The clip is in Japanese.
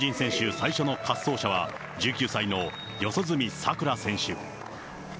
最初の滑走者は、１９歳の四十住さくら選手。